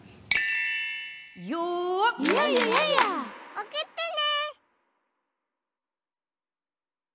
おくってね。